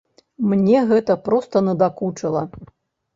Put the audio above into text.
Мне гэта проста надакучыла.